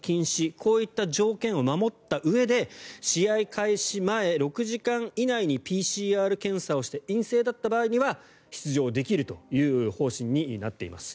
こういった条件を守ったうえで試合開始前６時間以内にＰＣＲ検査をして陰性だった場合には出場できるという方針になっています。